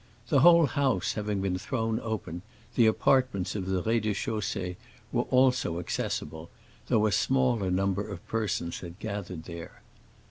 The whole house having been thrown open, the apartments of the rez de chaussée were also accessible, though a smaller number of persons had gathered there.